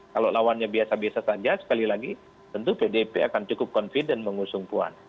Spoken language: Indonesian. kalau lawannya biasa biasa saja sekali lagi tentu pdip akan cukup confident mengusung puan